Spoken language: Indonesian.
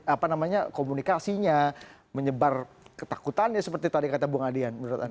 apa namanya komunikasinya menyebar ketakutannya seperti tadi kata bung adian menurut anda